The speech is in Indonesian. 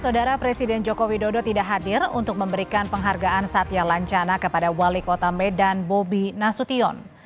saudara presiden joko widodo tidak hadir untuk memberikan penghargaan satya lancana kepada wali kota medan bobi nasution